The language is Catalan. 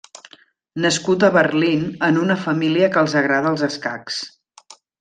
Nascut a Berlín en una família que els agrada els escacs.